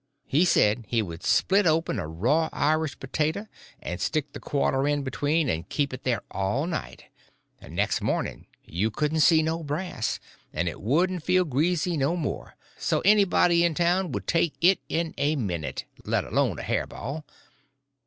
He said he would split open a raw Irish potato and stick the quarter in between and keep it there all night, and next morning you couldn't see no brass, and it wouldn't feel greasy no more, and so anybody in town would take it in a minute, let alone a hair ball.